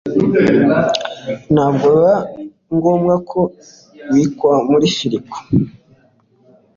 ntabwo biba ngombwa ko ibikwa muri firigo